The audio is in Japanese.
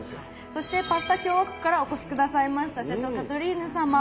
そしてパスタ共和国からお越し下さいました瀬戸カトリーヌ様。